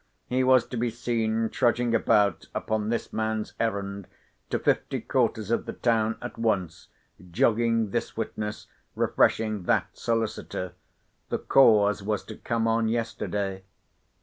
He was to be seen trudging about upon this man's errand to fifty quarters of the town at once, jogging this witness, refreshing that solicitor. The cause was to come on yesterday.